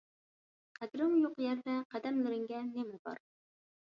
قەدرىڭ يوق يەردە قەدەملىرىڭگە نېمە بار؟